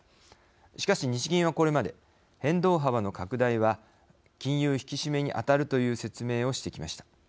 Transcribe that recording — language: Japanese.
しかし、日銀はこれまで変動幅の拡大は金融引き締めに当たるという説明をしてきました。